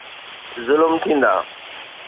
ظلم ٿيندا.